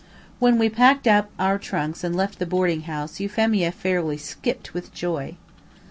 When we packed up our trunks and left the boarding house Euphemia fairly skipped with joy.